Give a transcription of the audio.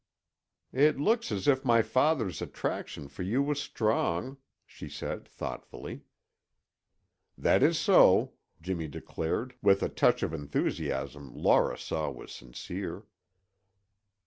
"It looks as if my father's attraction for you was strong," she said thoughtfully. "That is so," Jimmy declared with a touch of enthusiasm Laura saw was sincere.